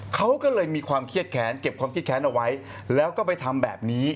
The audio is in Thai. เขาก็เลยมีความเครียดแค้นเก็บความคิดแค้นเอาไว้แล้วก็ไปทำแบบนี้